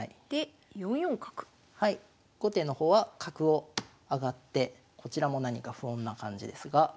後手の方は角を上がってこちらも何か不穏な感じですが。